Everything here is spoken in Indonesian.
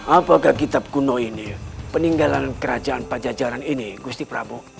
apakah kitab kuno ini peninggalan kerajaan pajajaran ini gusti prabu